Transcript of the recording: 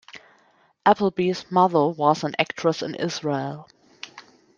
Appleby's mother was an actress in Israel.